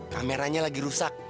kameranya lagi rusak